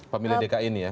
pemilih dki ini ya